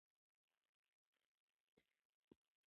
سټریسا له ساحل نه ډېره لیري ښکاریدل.